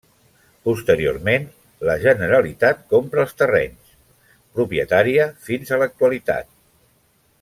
Posteriorment, la Generalitat compra els terrenys, propietària fins a l'actualitat.